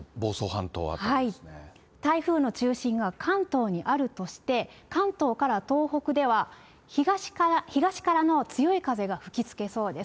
台風の中心が関東にあるとして、関東から東北では、東からの強い風が吹きつけそうです。